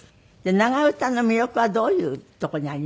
長唄の魅力はどういうとこにありますか？